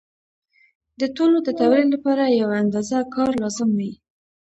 د ټولو د تولید لپاره یوه اندازه کار لازم وي